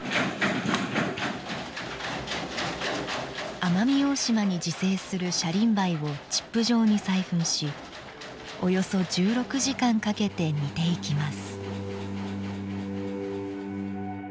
奄美大島に自生するシャリンバイをチップ状に砕断し、およそ１６時間かけて煮ていきます。